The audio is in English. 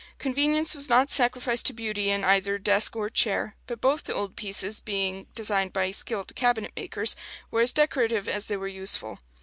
Convenience was not sacrificed to beauty in either desk or chair; but both the old pieces, being designed by skilled cabinet makers, were as decorative as they were useful.